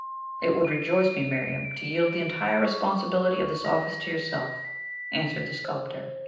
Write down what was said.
"It would rejoice me, Miriam, to yield the entire responsibility of this office to yourself," answered the sculptor.